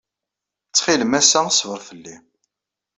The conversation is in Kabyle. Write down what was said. Ttxil-m, ass-a ṣber fell-i.